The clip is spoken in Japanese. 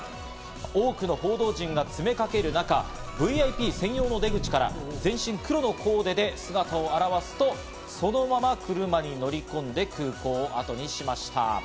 多くの報道陣が詰めかける中、ＶＩＰ専用の出口から全身黒のコーデで姿を現すと、そのまま車に乗り込んで空港をあとにしました。